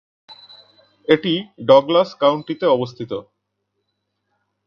এটি ডগলাস কাউন্টিতে অবস্থিত।